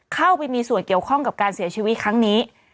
เข้าไปมีส่วนเกี่ยวข้องกับการเสียชีวิตครั้งนี้